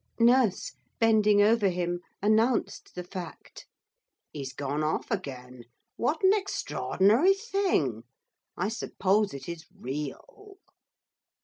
Nurse, bending over him, announced the fact. 'He's gone off again! What an extraordinary thing! I suppose it is real.